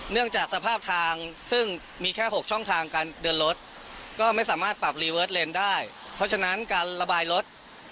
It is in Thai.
เนื่องจากสภาพทางซึ่งมีแค่หกช่องทางการเดินรถก็ไม่สามารถปรับได้เพราะฉะนั้นการระบายรถ